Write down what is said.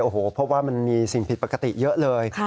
โอ้โหเพราะว่ามันมีสิ่งผิดปกติเยอะเลย